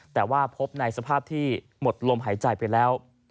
แต่ว่าพบในสภาพที่หมดลมหายใจไปแล้ว